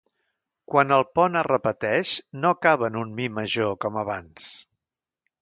Quan el pont es repeteix, no acaba en un mi major com abans.